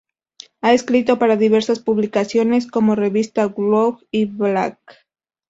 Ha escrito para diversas publicaciones como: Revista Glow y Black.